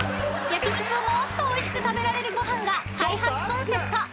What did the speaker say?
［焼き肉をもっとおいしく食べられるご飯が開発コンセプト］